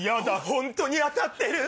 本当に当たってる。